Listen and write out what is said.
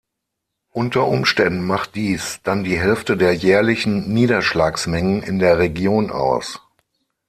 Unter Umständen macht dies dann die Hälfte der jährlichen Niederschlagsmengen in der Region aus.